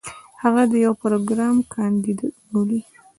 هغه د يو پروګرام کانديد بولي.